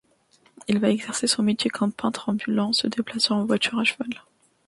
Il va exercer son métier comme peintre ambulant, se déplaçant en voiture à cheval.